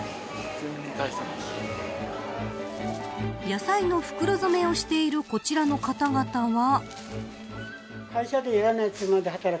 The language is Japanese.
野菜の袋詰めをしているこちらの方々は。